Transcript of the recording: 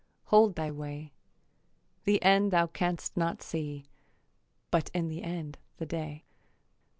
Hold thy way. The end thou canst not see, But in the end the day.